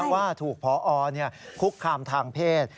ว่าถูกพอคุกคามทางเพศ